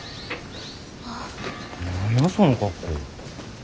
何やその格好。